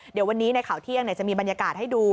เดี๋ยววันนี้ในข่าวเที่ยงจะมีบรรยากาศให้ดู